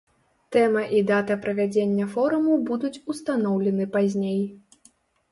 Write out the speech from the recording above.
Тэма і дата правядзення форуму будуць устаноўлены пазней.